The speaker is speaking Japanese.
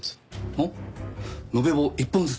おっ延べ棒１本ずつ？